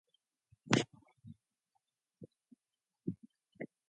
He initially studied fine art, then began acting under the name of Bellecour.